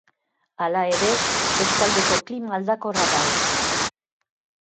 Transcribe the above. Hala ere, eskualdeko klima aldakorra da oso.